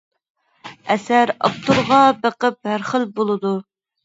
ئەسەر ئاپتورغا بېقىپ ھەر خىل بولىدۇ.